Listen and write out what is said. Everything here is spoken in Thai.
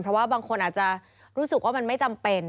เพราะว่าบางคนอาจจะรู้สึกว่ามันไม่จำเป็น